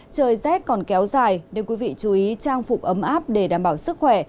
trời rét còn kéo dài nên quý vị chú ý trang phục ấm áp để đảm bảo sức khỏe